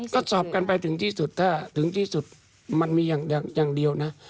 ก็สอบกันไปถึงที่สุดถ้าถึงที่สุดมันมีอย่างเดียวนะ